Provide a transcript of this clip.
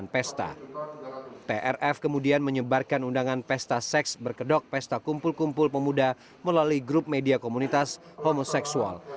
prf kemudian menyebarkan undangan pesta seks berkedok pesta kumpul kumpul pemuda melalui grup media komunitas homoseksual